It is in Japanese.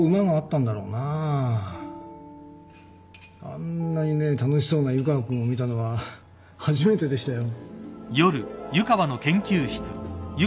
あんなにね楽しそうな湯川君を見たのは初めてでしたよ。